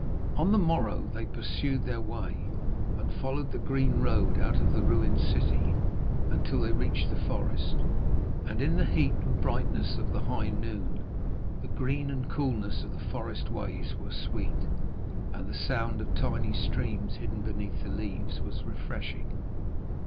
On the morrow they pursued their way, and followed the green road out of the ruined city until they reached the forest. And in the heat and brightness of the high noon the green and coolness of the forestways were sweet, and the sound of tiny streams hidden beneath the leaves was refreshing.